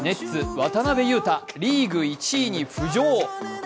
渡邊雄太、リーグ１位に浮上。